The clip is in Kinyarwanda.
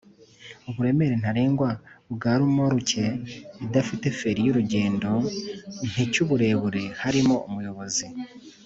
uburemere ntarengwa bwa remoruke idafite feri yurugendo nti cyuburebure harimo umuyobozi